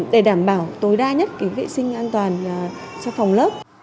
để đảm bảo tối đa nhất vệ sinh an toàn cho phòng lớp